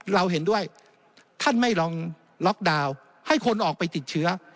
เราเห็นด้วยท่านไม่ลองล็อกดาวน์ให้คนออกไปติดเชื้อ